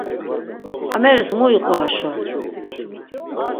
Ameris mu iqu aşo?